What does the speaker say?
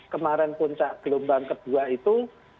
kemarin puncak gelombang kedua itu